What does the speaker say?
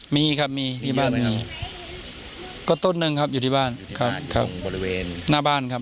มีครับมีมีบ้านหนึ่งก็ต้นหนึ่งครับอยู่ที่บ้านครับครับบริเวณหน้าบ้านครับ